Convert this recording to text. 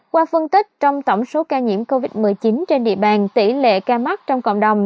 qua phân tích trong tổng số ca nhiễm covid một mươi chín trên địa bàn tỷ lệ ca mắc trong cộng đồng